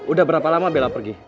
udah berapa lama bella pergi